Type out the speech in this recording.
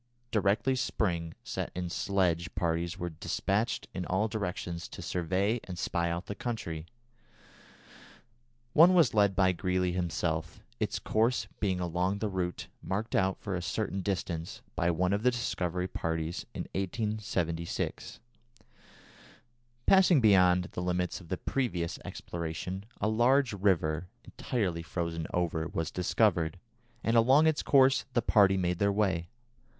Directly spring set in sledge parties were despatched in all directions to survey and spy out the country. One was led by Greely himself, its course being along the route marked out, for a certain distance, by one of the Discovery parties in 1876. Passing beyond the limits of the previous exploration, a large river, entirely frozen over, was discovered, and along its course the party made their way.